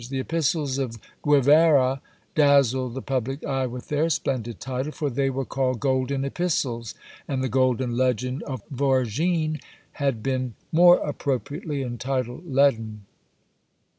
The epistles of Guevara dazzled the public eye with their splendid title, for they were called "Golden Epistles;" and the "Golden Legend" of Voragine had been more appropriately entitled leaden.